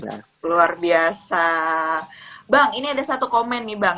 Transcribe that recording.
bang ini ada satu komen nih bang